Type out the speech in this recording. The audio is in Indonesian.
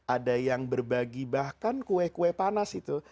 ada yang berbagi bahkan kue kue panas itu